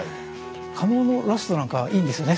加納のラストなんかいいんですよね